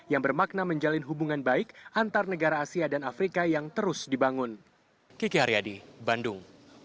yang bermakna menjalin hubungan baik antar negara asia dan afrika yang terus dibangun